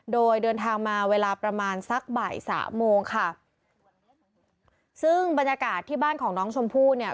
โดยเดินทางมาเวลาประมาณสักบ่ายสามโมงค่ะซึ่งบรรยากาศที่บ้านของน้องชมพู่เนี่ย